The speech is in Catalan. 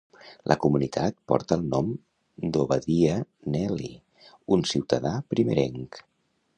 La comunitat porta el nom d'Obadiah Neely, un ciutadà primerenc.